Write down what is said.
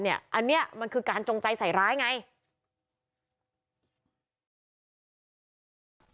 อันนี้มันคือการจงใจใส่ร้ายไง